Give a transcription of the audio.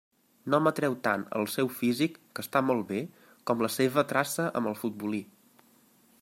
No m'atreu tant el seu físic, que està molt bé, com la seva traça amb el futbolí.